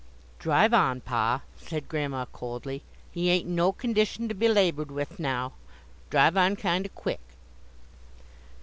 "Drive on, pa," said Grandma, coldly. "He ain't in no condition to be labored with now. Drive on kind o' quick!"